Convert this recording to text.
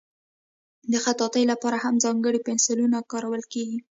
د خطاطۍ لپاره هم ځانګړي پنسلونه کارول کېږي.